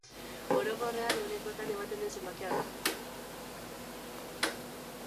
Orokorrean ehunekotan ematen den zenbakia da.